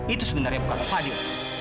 itu sebenarnya bukan fadil